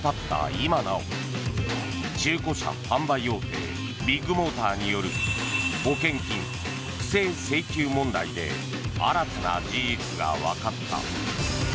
今なお中古車販売大手ビッグモーターによる保険金不正請求問題で新たな事実がわかった。